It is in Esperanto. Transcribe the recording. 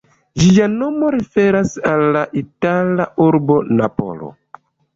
Ĝia nomo referas al la itala urbo Napolo.